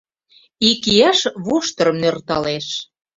Ик ияш воштырым нӧрталеш.